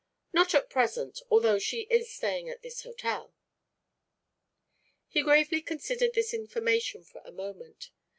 "Not at present, although she is staying at this hotel." He gravely considered this information for a moment.